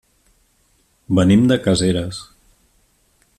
Venim de Caseres.